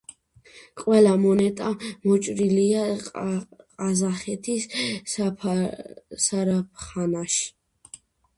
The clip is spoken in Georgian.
ყველა მონეტა მოჭრილია ყაზახეთის ზარაფხანაში.